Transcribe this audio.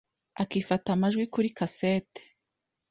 akifata amajwi kuri cassettes